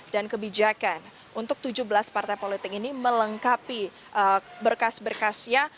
dan kebijakan untuk tujuh belas partai politik ini melengkapi berkas berkasnya